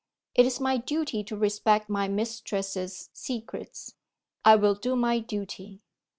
"It is my duty to respect my mistress's secrets; I will do my duty."